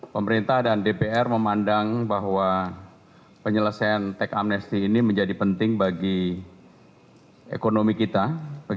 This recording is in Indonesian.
pemerintah dan dpr memandang bahwa penyelesaian teks amnesty ini menjadi penting bagi ekonomi kita